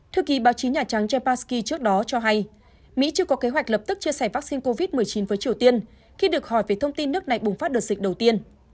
thư ký báo chí nhà trắng jampasky trước đó cho hay mỹ chưa có kế hoạch lập tức chia sẻ vaccine covid một mươi chín với triều tiên khi được hỏi về thông tin nước này bùng phát đợt dịch đầu tiên